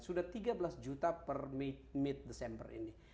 sudah tiga belas juta per mid december ini